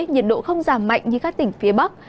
nhiệt độ không giảm mạnh như các tỉnh phía bắc